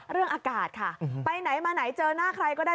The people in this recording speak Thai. อากาศค่ะไปไหนมาไหนเจอหน้าใครก็ได้